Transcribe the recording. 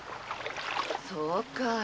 そうかい。